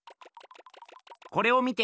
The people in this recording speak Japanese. これを見て。